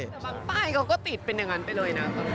แต่บางป้ายเขาก็ติดเป็นอย่างนั้นไปเลยนะ